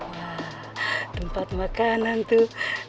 wah tempat makanan tuh